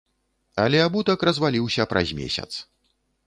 Але абутак разваліўся праз месяц.